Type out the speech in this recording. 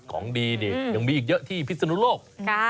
ของดีนี่ยังมีอีกเยอะที่พิศนุโลก